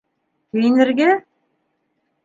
Кейенергә?